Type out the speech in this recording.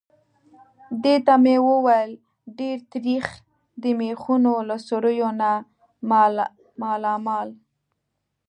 دې ته مې وویل: ډېر تریخ. د مېخونو له سوریو نه مالامال.